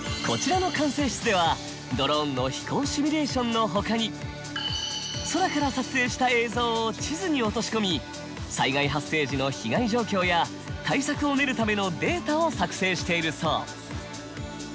こちらの管制室ではドローンの飛行シミュレーションのほかに空から撮影した映像を地図に落とし込み災害発生時の被害状況や対策を練るためのデータを作成しているそう。